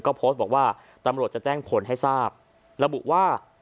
ก็โพสต์บอกว่าตำรวจจะแจ้งผลให้ทราบระบุว่า